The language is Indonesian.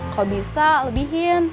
kalau bisa lebihin